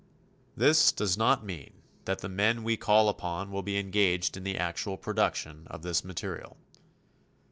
This does not mean that the men we call upon will be engaged in the actual production of this materiel.